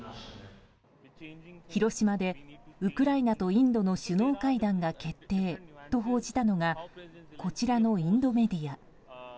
広島でウクライナとインドの首脳会談が決定と報じたのがこちらのインドメディア。